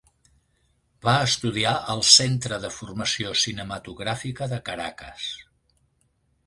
Va estudiar al Centre de Formació Cinematogràfica de Caracas.